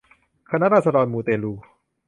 คณะราษฎรมูเตลู